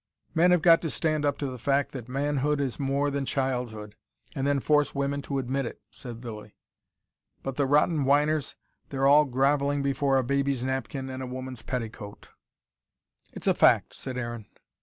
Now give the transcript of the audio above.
"Men have got to stand up to the fact that manhood is more than childhood and then force women to admit it," said Lilly. "But the rotten whiners, they're all grovelling before a baby's napkin and a woman's petticoat." "It's a fact," said Aaron.